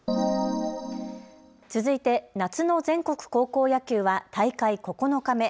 続いて夏の全国高校野球は大会９日目。